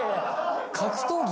格闘技？